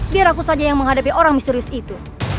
biar aku saja yang menghadapi orang misterius itu